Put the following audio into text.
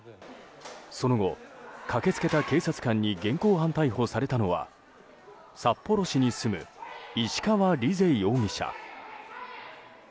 その後、駆け付けた警察官に現行犯逮捕されたのは札幌市に住む石川莉世容疑者。